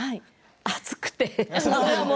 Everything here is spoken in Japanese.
暑くて。